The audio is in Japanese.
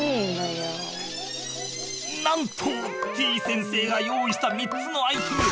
なんとてぃ先生が用意した３つのアイテム